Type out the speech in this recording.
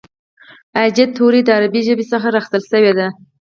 ابجد توري د عربي ژبي څخه را اخستل سوي دي.